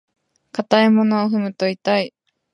硬いものを踏むと痛い。